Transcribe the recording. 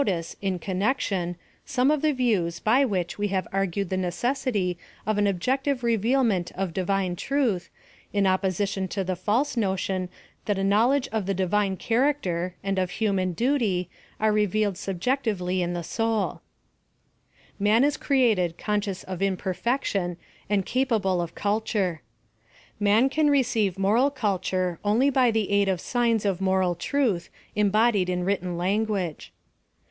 277 argued the necessity of an objective revealment of Divine Truth, in opposition to the false notion that a knowledge of the Divine character and of human duty are revealed subjectively in the soul. M»an is created conscious of imperfection and capable of culture. Man can receive moral culture only by the aid of signs of moral truth embodied in written lan guage.